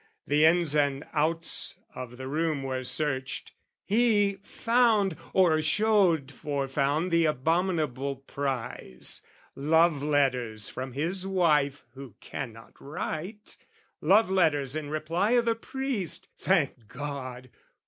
The ins and outs of the room were searched: he found Or showed for found the abominable prize Love letters from his wife who cannot write, Love letters in reply o' the priest thank God!